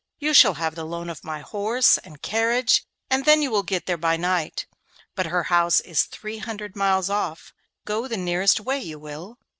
You shall have the loan of my horse and carriage, and then you will get there by night; but her house is three hundred miles off, go the nearest way you will.